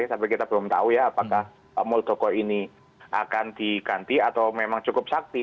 tapi kita belum tahu ya apakah pak muldoko ini akan diganti atau memang cukup sakti